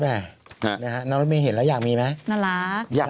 น้องน้องมีเห็นแล้วอยากมีไหม